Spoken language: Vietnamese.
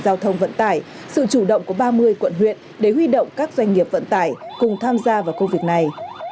giao thông vận tải sự chủ động của ba mươi quận huyện để huy động các doanh nghiệp vận tải cùng tham gia vào công việc này